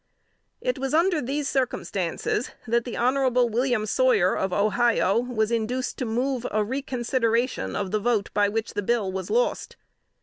It was under these circumstances, that the Hon. William Sawyer of Ohio, was induced to move a reconsideration of the vote by which the bill was lost.